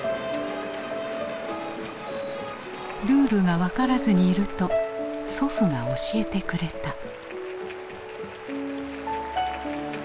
ルールが分からずにいると祖父が教えてくれた。